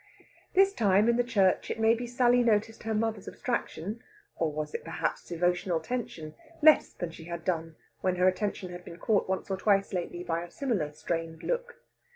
This time, in the church, it may be Sally noticed her mother's abstraction (or was it, perhaps, devotional tension?) less than she had done when her attention had been caught once or twice lately by a similar strained look.